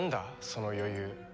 その余裕。